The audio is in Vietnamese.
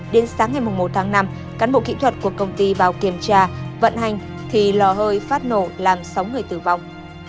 đến sáng ngày một tháng năm cán bộ kỹ thuật của công ty vào kiểm tra vận hành thì lò hơi phát nổ làm sáu người tử vong